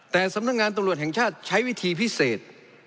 แต่สำนักงานตำรวจแห่งชาติใช้วิธีพิเศษ